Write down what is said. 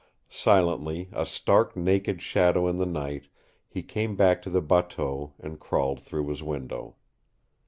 Silently, a stark naked shadow in the night, he came back to the bateau and crawled through his window.